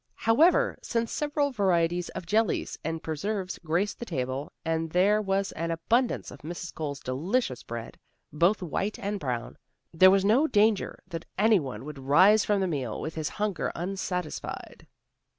However, since several varieties of jellies and preserves graced the table, and there was an abundance of Mrs. Cole's delicious bread, both white and brown, there was no danger that any one would rise from the meal with his hunger unsatisfied.